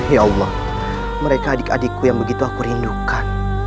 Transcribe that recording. ya allah mereka adik adikku yang begitu aku rindukan